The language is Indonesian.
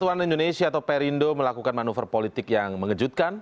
ketua umum partai perindo melakukan manuver politik yang mengejutkan